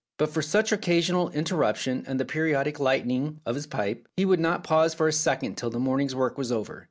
But for such occasional interruption and the periodical lighting of his pipe he would not pause for a second till the morning's work was over.